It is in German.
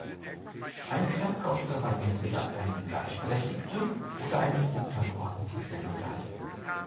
Eine Stadt konnte dabei entweder eine „gleichberechtigte“ oder eine untergeordnete Stellung erhalten.